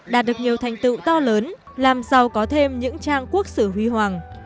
đạt được nhiều thành tựu to lớn làm giàu có thêm những trang quốc sử huy hoàng